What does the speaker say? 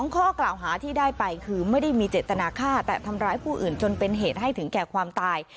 ข้อกล่าวหาที่ได้ไปคือไม่ได้มีเจตนาฆ่าแต่ทำร้ายผู้อื่นจนเป็นเหตุให้ถึงแก่ความตาย